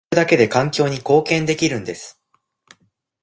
検索するだけで環境に貢献できるんです